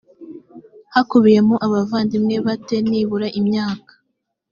hakubiyemo abavandimwe ba te nibura imyaka